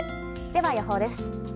では予報です。